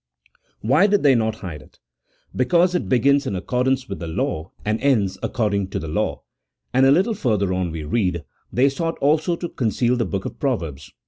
Why did they not hide it ? Because it begins in accordance with the law, and ends according to the law ;" and a little further on we read :" They sought also to conceal the book of Proverbs."